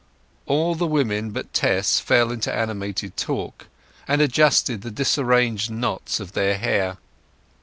All the women but Tess fell into animated talk, and adjusted the disarranged knots of their hair.